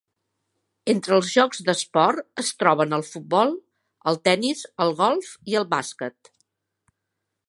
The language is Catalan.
Entre els jocs d'esport es troben el futbol, el tenis, el golf i el bàsquet.